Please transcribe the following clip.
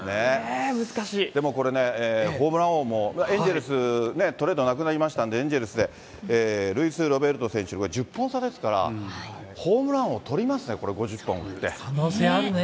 でも、これね、ホームラン王も、エンゼルス、トレードなくなりましたんで、エンゼルスでルイス・ロベルト選手、１０本差ですから、ホームラン王とりますね、可能性あるね。